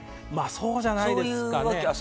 そうじゃないですかね。